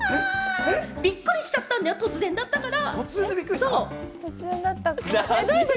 びっくりしちゃったんだよ、突然だったから。